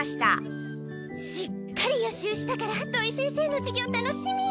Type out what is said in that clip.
しっかり予習したから土井先生の授業楽しみ！